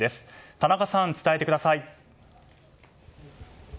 田中さん、伝えてください。